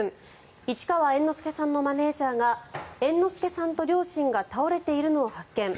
市川猿之助さんのマネジャーが猿之助さんと両親が倒れているのを発見。